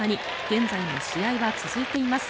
現在も試合は続いています。